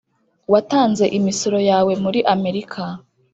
Watanze imisoro yawe muri Amerika